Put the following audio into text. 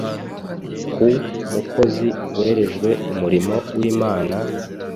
Ku mukozi werejwe umurimo w’Imana,